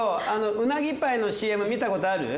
うなぎパイのＣＭ見たことある？